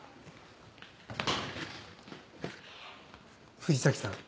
藤崎さん